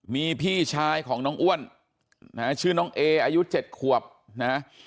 มีพี่ชายของน้องอ้วนนะฮะชื่อน้องเออายุ๗ขวบนะฮะ